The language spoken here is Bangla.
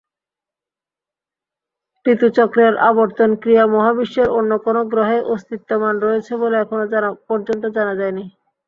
ঋতুচক্রের আবর্তনক্রিয়া মহাবিশ্বের অন্য কোনো গ্রহে অস্তিত্বমান রয়েছে বলে এখনো পর্যন্ত জানা যায়নি।